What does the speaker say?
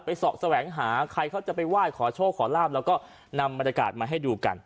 เสาะแสวงหาใครเขาจะไปไหว้ขอโชคขอลาบแล้วก็นำบรรยากาศมาให้ดูกัน